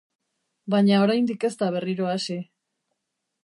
Baina oraindik ez da berriro hasi.